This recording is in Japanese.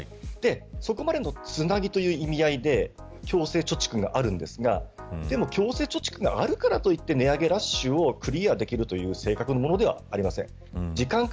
そこまでのつなぎという意味合いで強制貯蓄があるんですがでも強制貯蓄があるからといって値上げラッシュをクリアできるというものではありません。